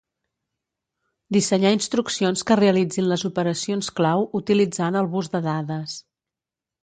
Dissenyar instruccions que realitzin les operacions clau utilitzant el bus de dades.